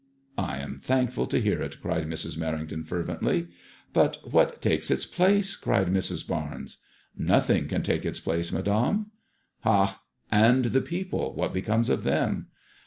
" I am thankful to hear it," cried Mrs. Merrington, fervently. But what takes its place 7 " cried Mrs. Barnes. " Nothing can take its place, Madame." '' Ha 1 And the people ; what becomes of them